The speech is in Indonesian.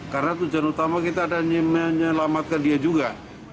karena tujuan utama kita ada yang menyelamatkan dia juga